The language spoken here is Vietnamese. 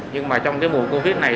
nhưng mà trong cái mùa covid này